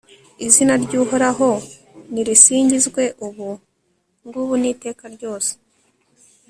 izina ry'uhoraho nirisingizwe, ubu ngubu n'iteka ryose